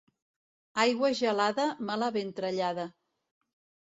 Aigua gelada, mala ventrellada.